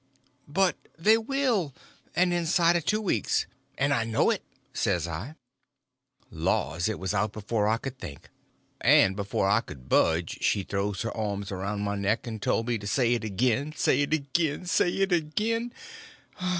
"But they will—and inside of two weeks—and I know it!" says I. Laws, it was out before I could think! And before I could budge she throws her arms around my neck and told me to say it again, say it again, say it _again!